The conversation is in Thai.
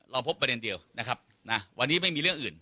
พบประเด็นเดียวนะครับนะวันนี้ไม่มีเรื่องอื่น